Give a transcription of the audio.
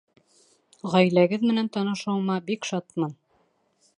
Ғаиләгеҙ менән танышыуыма бик шатмын